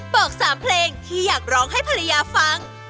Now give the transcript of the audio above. บอก๓เพลงที่อยากร้องให้ภรรยาฟัง